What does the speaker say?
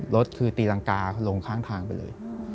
รถคือตีรังกาลงข้างทางไปเลย